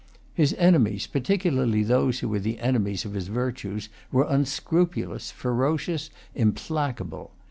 His enemies, particularly those who were the enemies of his virtues, were unscrupulous, ferocious, implacable.